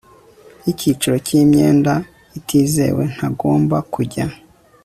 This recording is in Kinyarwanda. y icyiciro cy imyenda itizewe ntagomba kujya